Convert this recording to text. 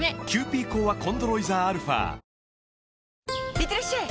いってらっしゃい！